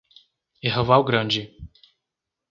Erval Grande